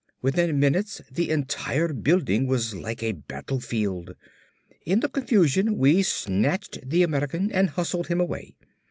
Within minutes the entire building was like a battlefield. In the confusion we snatched the American and hustled him away.